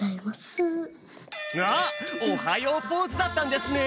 あっおはようポーズだったんですね！